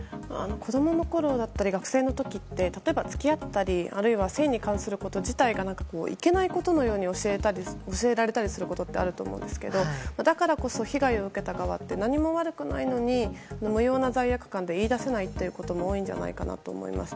子供のころだったり学生の時って例えば付き合ったり、あるいは性に関すること自体がいけないことのように教えられたりすることがあると思うんですけどだからこそ被害を受けた側って何も悪くないのに無用な罪悪感で言い出せないことも多いんじゃないかと思います。